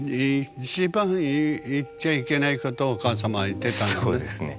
一番言っちゃいけないことをお母様は言ってたのね。